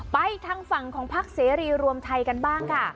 ไปทางฝั่งของพักเสรีรวมไทยกันบ้างค่ะ